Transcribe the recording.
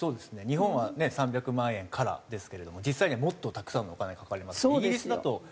日本はね３００万円からですけれども実際にはもっとたくさんのお金かかりますから。